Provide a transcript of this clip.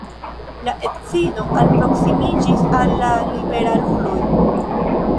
La edzino alproksimiĝis al la liberaluloj.